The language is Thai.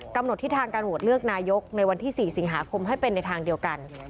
ทิศทางการโหวตเลือกนายกในวันที่๔สิงหาคมให้เป็นในทางเดียวกัน